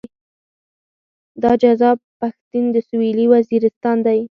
دا جذاب پښتين د سويلي وزيرستان دی.